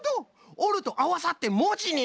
おるとあわさってもじになる。